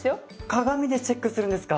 鏡でチェックするんですか。